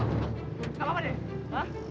nggak apa apa deh